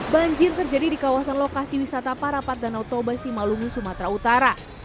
banjir terjadi di kawasan lokasi wisata parapat danau toba simalungu sumatera utara